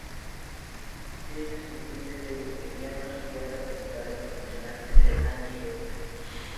Es descendiente de nigerianos y ha representado internacionalmente a Nigeria.